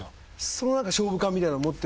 その勝負勘みたいなの持って。